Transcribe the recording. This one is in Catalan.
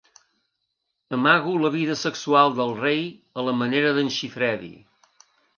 Amago la vida sexual del rei a la manera d'en Siffredi.